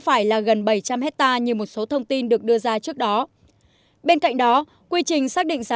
phải là gần bảy trăm linh hectare như một số thông tin được đưa ra trước đó bên cạnh đó quy trình xác định